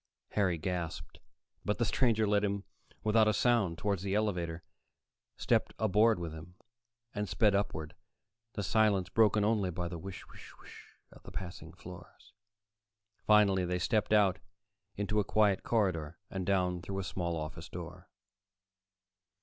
Harry gasped, but the stranger led him without a sound toward the elevator, stepped aboard with him, and sped upward, the silence broken only by the whish whish whish of the passing floors. Finally they stepped out into a quiet corridor and down through a small office door.